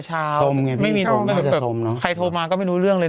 เช้าไม่มีทงใช่แบบแบบใครโทรมาก็ไม่รู้เรื่องเลย